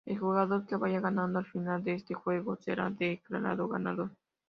El jugador que vaya ganando al final de ese juego, será declarado ganador.